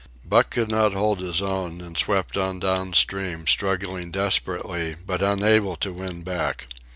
Buck could not hold his own, and swept on down stream, struggling desperately, but unable to win back.